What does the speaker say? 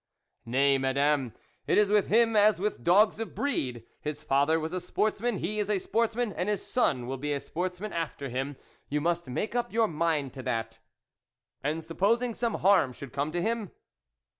" Nay, Madame, it is with him, as with dogs of breed ; his father was a sports man, he is a sportsman, and his son will be a sportsman after him ; you must make up your mind to that." "And supposing some harm should come to him